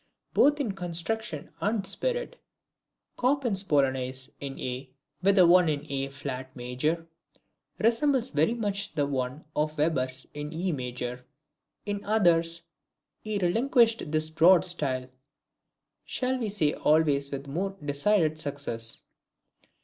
Both in construction and spirit, Chopin's Polonaise In A, with the one in A flat major, resembles very much the one of Weber's in E Major. In others he relinquished this broad style: Shall we say always with a more decided success?